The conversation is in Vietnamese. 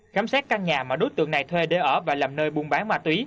khám xét căn nhà mà đối tượng này thuê để ở và làm nơi buôn bán ma túy